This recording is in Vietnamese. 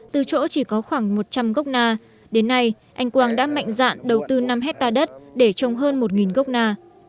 từ chỗ chỉ có khoảng một trăm linh gốc na đến nay anh quang đã mạnh dạn đầu tư năm hectare đất để trồng hơn một gốc na